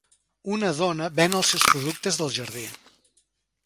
Una dona ven els seus productes del jardí.